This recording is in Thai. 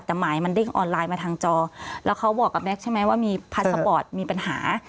แต่หมายมันเด้งออนไลน์มาทางจอแล้วเขาบอกกับแก๊กใช่ไหมว่ามีพาสปอร์ตมีปัญหา